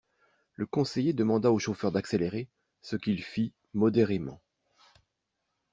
Le conseiller demanda au chauffeur d’accélérer, ce qu’il fit, modérément.